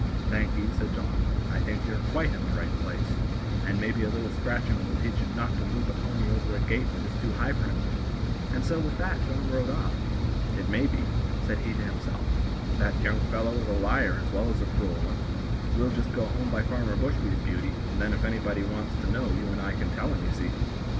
"Thank ye," said John, "I think you are quite in the right place, and maybe a little scratching will teach you not to leap a pony over a gate that is too high for him," and so with that John rode off. "It may be," said he to himself, "that young fellow is a liar as well as a cruel one; we'll just go home by Farmer Bushby's, Beauty, and then if anybody wants to know you and I can tell 'em, ye see."